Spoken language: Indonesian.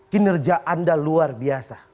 kinerja anda luar biasa